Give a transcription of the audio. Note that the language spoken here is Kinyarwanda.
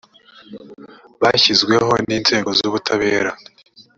byashyizweho n inzego z ubutabera